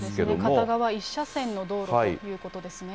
片側１車線の道路ということですね。